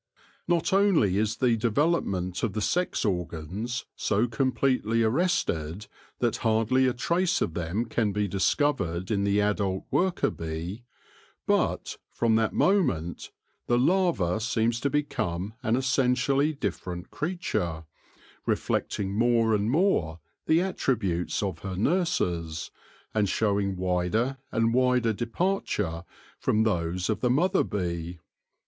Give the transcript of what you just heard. Not only is the development of the sex organs so completely arrested that hardly a trace of them can be discovered in the adult worker bee, but, from that moment, the larva seems to become an essentially different creature, reflecting more and more the attributes of her nurses, and showing wider and wider departure from those of the mother bee.